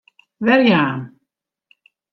Werjaan.